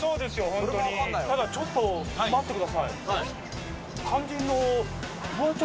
ホントにただちょっと待ってください